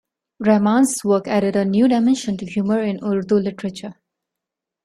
Rahman's work added a new dimension to humour in Urdu literature.